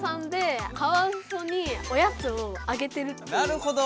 なるほど！